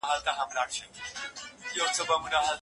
نصیب دا یو کمال وو